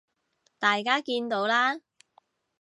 大家見到啦